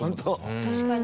確かに。